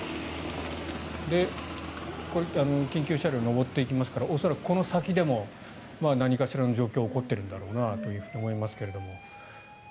緊急車両上っていきますから恐らくこの先でも何かしらの状況が起こっているんだろうなと思いますけど。